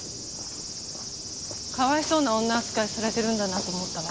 かわいそうな女扱いされてるんだなと思ったわ。